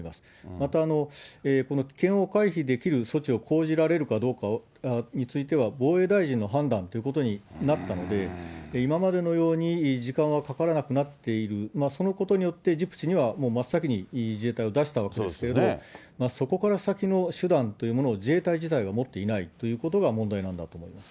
また危険を回避できる措置を講じられるかどうかについては、防衛大臣の判断ということになったので、今までのように時間はかからなくなっている、そのことによってジブチにはもう真っ先に自衛隊を出したわけですけれども、そこから先の手段というものを、自衛隊自体が持っていないということが問題なんだと思います。